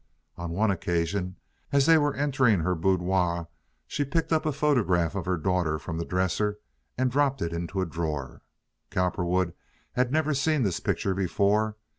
On one occasion, as they were entering her boudoir, she picked up a photograph of her daughter from the dresser and dropped it into a drawer. Cowperwood had never seen this picture before.